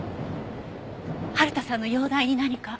春田さんの容体に何か？